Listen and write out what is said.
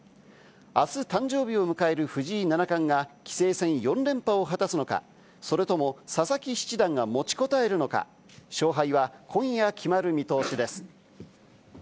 あす誕生日を迎える藤井七冠が棋聖戦４連覇を果たすのか、それとも佐々木七段が持ちこたえるのか、勝敗は今夜決まる見通しです。